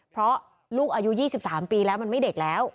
เพราะลูกอายุ๒๓ปีแล้วมันไม่เด็กแล้ว